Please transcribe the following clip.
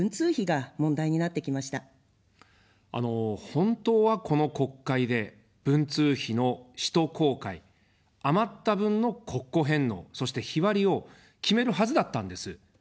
本当はこの国会で文通費の使途公開、余った分の国庫返納、そして日割りを決めるはずだったんです。